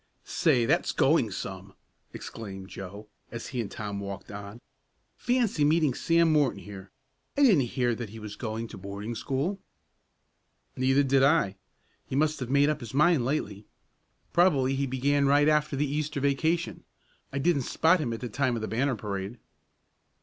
"Say, that's going some!" exclaimed Joe, as he and Tom walked on. "Fancy meeting Sam Morton here. I didn't hear that he was going to boarding school." "Neither did I. He must have made up his mind lately. Probably he began right after the Easter vacation. I didn't spot him at the time of the banner parade."